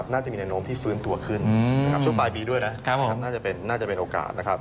น่าจะมีแนวโน้มที่ฟื้นตัวขึ้นช่วงปลายปีด้วยนะครับน่าจะเป็นโอกาสนะครับ